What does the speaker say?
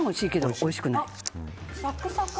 おいしくない？